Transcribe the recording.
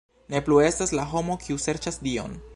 Ne plu estas la homo kiu serĉas Dion!